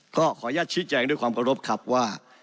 ขออนุญาตชี้แจงด้วยความเคารพครับว่า